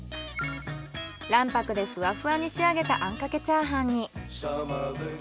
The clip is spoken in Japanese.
卵白でふわふわに仕上げたあんかけチャーハンに。